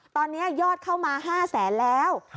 ตอนนี้ยอดเข้ามา๕๐๐๐๐๐บาทแล้ว